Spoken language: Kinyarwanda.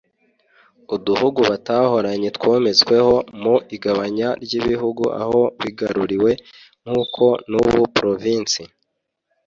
uduhugu batahoranye twometsweho mu igabanya ry’ibihugu aho bigaruriwe nk’uko n’ubu provinsi